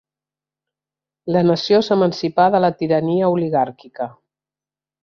La nació s'emancipà de la tirania oligàrquica.